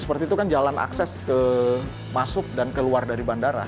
seperti itu kan jalan akses ke masuk dan keluar dari bandara